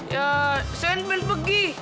ya sandman pergi